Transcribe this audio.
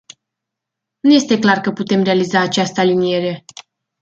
Nu este clar că putem realiza această aliniere.